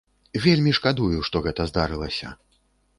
Вельмі шкадую, што гэта здарылася.